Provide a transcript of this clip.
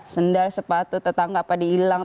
sendal sepatu tetangga apa diilang